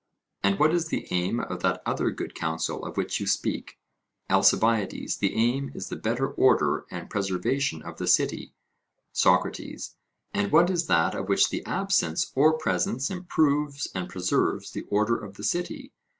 And what is the aim of that other good counsel of which you speak? ALCIBIADES: The aim is the better order and preservation of the city. SOCRATES: And what is that of which the absence or presence improves and preserves the order of the city?